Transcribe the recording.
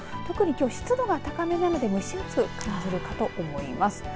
特に湿度が高めなので蒸し暑く感じると思います。